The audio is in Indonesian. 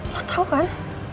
lo tau kan